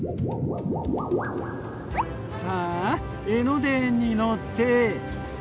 さあ江ノ電に乗って。